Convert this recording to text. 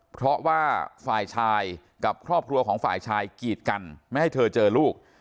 เพราะว่าฝ่ายชายกับครอบครัวของฝ่ายชายกีดกันไม่ให้เธอเจอลูก